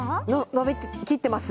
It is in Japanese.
伸びきっています。